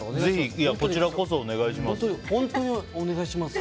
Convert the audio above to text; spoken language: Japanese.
こちらこそお願いします。